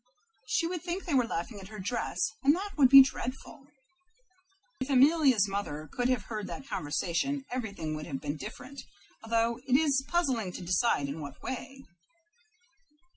She would think they were laughing at her dress, and that would be dreadful." If Amelia's mother could have heard that conversation everything would have been different, although it is puzzling to decide in what way.